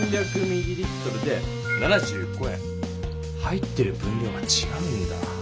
えっと入ってる分量がちがうんだ。